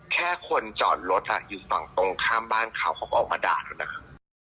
แค่คนจอดรถอยู่ฝั่งตรงข้ามบ้านเขาเขาก็ออกมาด่าเขานะครับ